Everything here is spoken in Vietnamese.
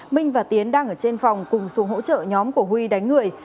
minh và tiến đang ở trên phòng cùng xuống hỗ trợ nhóm của huy đánh người